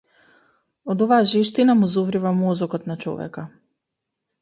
Од оваа жештина му зоврива мозокот на човека.